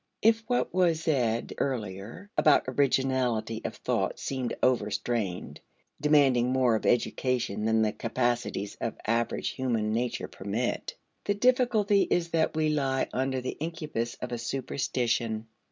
If what was said earlier (See p. 159) about originality of thought seemed overstrained, demanding more of education than the capacities of average human nature permit, the difficulty is that we lie under the incubus of a superstition.